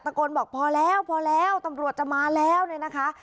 โกนบอกพอแล้วพอแล้วตำรวจจะมาแล้วเนี่ยนะคะ